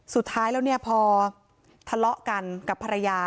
สุดท้ายแล้วเนี่ยพอทะเลาะกันกับภรรยา